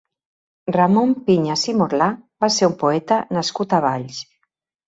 Ramon Piñas i Morlà va ser un poeta nascut a Valls.